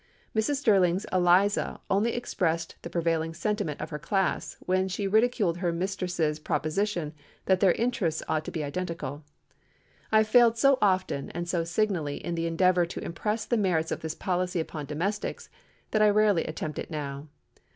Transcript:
Mrs. Sterling's Eliza only expressed the prevailing sentiment of her class, when she ridiculed her mistress' proposition that their interests ought to be identical. I have failed so often and so signally in the endeavor to impress the merits of this policy upon domestics, that I rarely attempt it now.